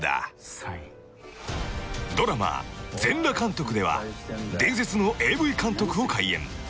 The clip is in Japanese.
［ドラマ『全裸監督』では伝説のＡＶ監督を怪演］